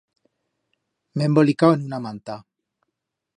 M'he embolicau en una manta.